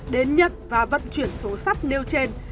đến nhận và vận chuyển số sắt nêu trên